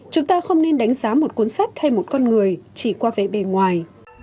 chúng ta không nên đánh giá một cuốn sách hay một con người chỉ qua về bề ngoài